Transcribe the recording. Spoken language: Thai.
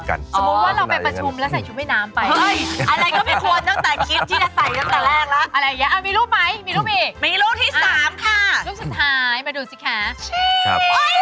ใครอะ